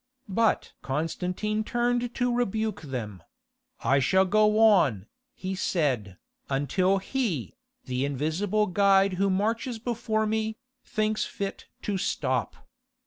But Constantine turned to rebuke them: "I shall go on," he said, "until He, the invisible guide who marches before me, thinks fit to stop."